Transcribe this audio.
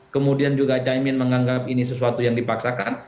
kemudian juga caimin menganggap ini sesuatu yang dipaksakan